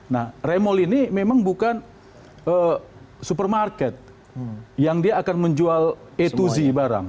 nah remol ini memang bukan supermarket yang dia akan menjual a dua z barang